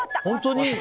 本当に？